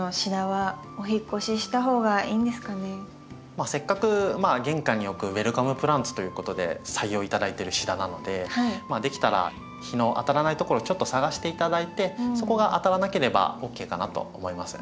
まあせっかく玄関に置くウェルカムプランツということで採用頂いてるシダなのでできたら日の当たらないところちょっと探して頂いてそこが当たらなければＯＫかなと思います。